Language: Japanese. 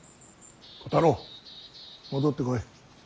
小太郎戻ってこい。